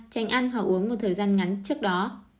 tránh ăn hoặc uống một thời gian ngắn trước đó